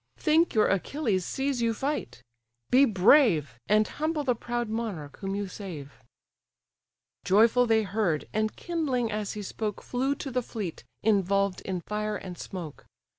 Think your Achilles sees you fight: be brave, And humble the proud monarch whom you save." Joyful they heard, and kindling as he spoke, Flew to the fleet, involved in fire and smoke.